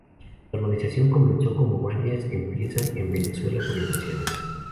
La urbanización comenzó como varias empiezan en Venezuela, por invasiones.